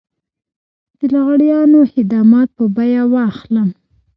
د لغړیانو خدمات په بيه واخلم.